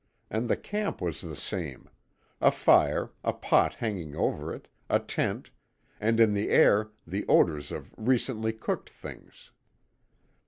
And the camp was the same a fire, a pot hanging over it, a tent, and in the air the odours of recently cooked things.